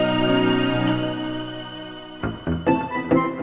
sampai ketemu lagi